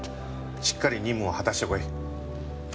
しっかり任務を果たしてこい。